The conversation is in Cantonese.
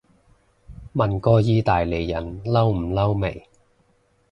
問過意大利人嬲唔嬲未